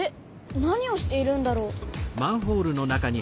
何をしているんだろう？